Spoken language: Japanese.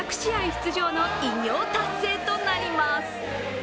出場の偉業達成となります。